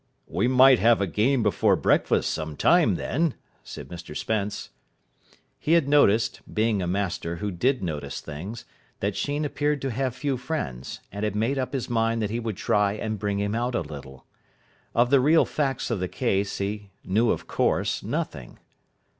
"We might have a game before breakfast some time, then," said Mr Spence. He had noticed, being a master who did notice things, that Sheen appeared to have few friends, and had made up his mind that he would try and bring him out a little. Of the real facts of the case, he knew of course, nothing.